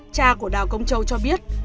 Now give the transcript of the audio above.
cha của đào công châu cho biết